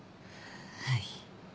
はい。